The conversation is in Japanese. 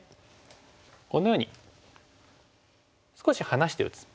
このように少し離して打つ。